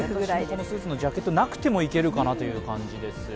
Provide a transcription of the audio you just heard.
私もスーツのジャケット、なくてもいけるかなという感じです。